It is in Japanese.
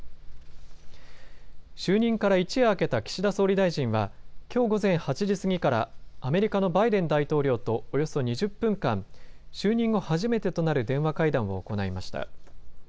就任から一夜明けた岸田総理大臣はきょう午前８時過ぎからアメリカのバイデン大統領とおよそ２０分間、就任後初めてとなる電話会談を行いました。